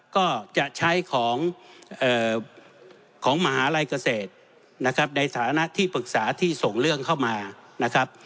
ก็จะใช้ของของมหาลัยเกษตรในสถานะภึกษาที่ส่งเรื่องเข้ามา